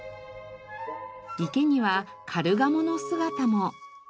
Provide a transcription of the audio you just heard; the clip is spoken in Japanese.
池にはカルガモの姿も。